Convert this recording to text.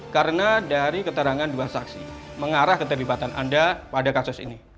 kembali ke tempat yang baru